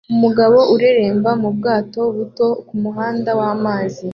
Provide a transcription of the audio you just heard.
Umugabo areremba mu bwato buto kumuhanda wamazi